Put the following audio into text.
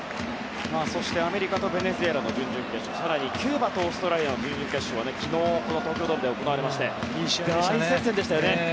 そしてアメリカとベネズエラの準々決勝更にキューバとオーストラリアの準々決勝は昨日、この東京ドームで行われて大接戦でしたね。